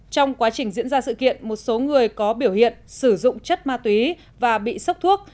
trong quá trình diễn ra sự kiện một số người có biểu hiện sử dụng chất ma túy và bị sốc thuốc